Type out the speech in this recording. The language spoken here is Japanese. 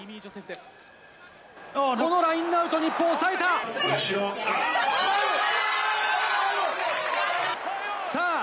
このラインアウト、日本おさあー！